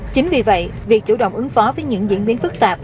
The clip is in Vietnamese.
chính vì vậy việc chủ động ứng phó với những diễn biến phức tạp